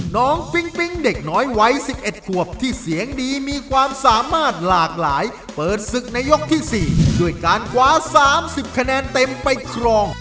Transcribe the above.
ปิ๊งปิ๊งเด็กน้อยวัย๑๑ขวบที่เสียงดีมีความสามารถหลากหลายเปิดศึกในยกที่๔ด้วยการคว้า๓๐คะแนนเต็มไปครอง